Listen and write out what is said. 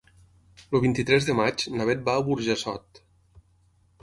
El vint-i-tres de maig na Beth va a Burjassot.